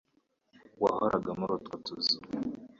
wahoraga muri utwo tuzu,